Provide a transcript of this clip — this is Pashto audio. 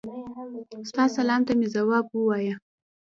ستا سلام ته مي ځواب ووایه.